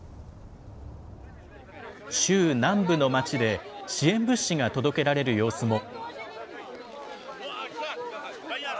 州南部の街で、支援物資が届けられる様子も。